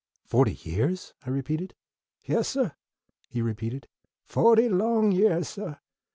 "Forty years?" I repeated. "Yes, suh," he replied, "fohty long yeahs, suh.